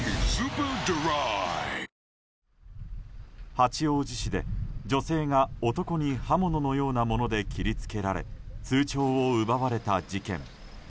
八王子市で女性が男に刃物のようなもので切り付けられ通帳を奪われた事件。